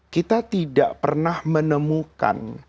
kita tidak pernah menemukan